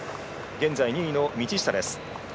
現在２位の道下です。